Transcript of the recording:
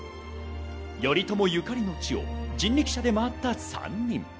頼朝ゆかりの地を人力車で回った３人。